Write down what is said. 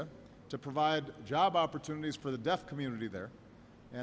untuk memberikan peluang pekerjaan untuk komunitas dewa di sana